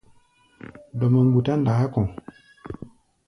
Dɔmɔ mgbutá ndaá kɔ̧.